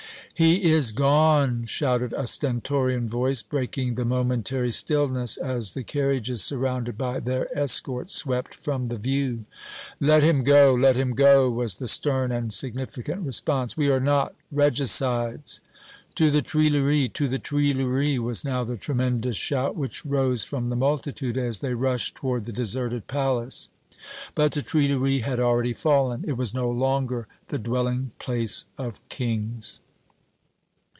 "He is gone!" shouted a stentorian voice, breaking the momentary stillness as the carriages, surrounded by their escort, swept from the view. "Let him go! Let him go!" was the stern and significant response. "We are not regicides!" "To the Tuileries! To the Tuileries!" was now the tremendous shout which rose from the multitude, as they rushed toward the deserted palace. But the Tuileries had already fallen. It was no longer the dwelling place of kings.